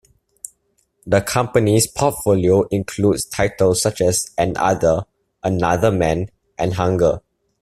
The company's portfolio includes titles such as AnOther, Another Man and Hunger.